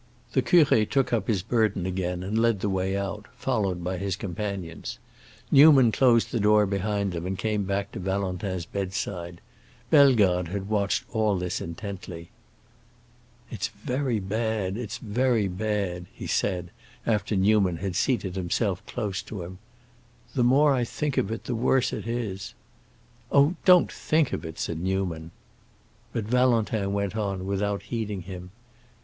The curé took up his burden again and led the way out, followed by his companions. Newman closed the door behind them and came back to Valentin's bedside. Bellegarde had watched all this intently. "It's very bad, it's very bad," he said, after Newman had seated himself close to him. "The more I think of it the worse it is." "Oh, don't think of it," said Newman. But Valentin went on, without heeding him.